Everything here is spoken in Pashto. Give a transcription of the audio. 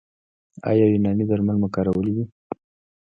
ایا یوناني درمل مو کارولي دي؟